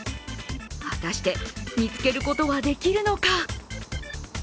果たして、見つけることはできるのか？